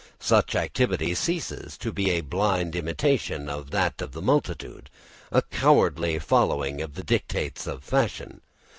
Such activity ceases to be a blind imitation of that of the multitude, a cowardly following of the dictates of fashion.